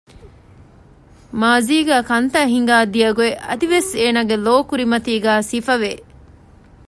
މާޒީގައި ކަންތައް ހިނގާ ދިޔަ ގޮތް އަދިވެސް އޭނާގެ ލޯ ކުރިމަތީގައި ސިފަވެ